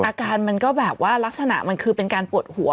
อาการมันก็แบบว่ารักษณะมันคือเป็นการปวดหัว